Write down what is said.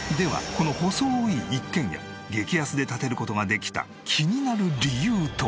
この細い一軒家激安で建てる事ができた気になる理由とは。